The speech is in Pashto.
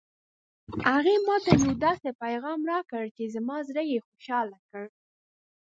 هغې ما ته یو داسې پېغام راکړ چې زما زړه یې خوشحاله کړ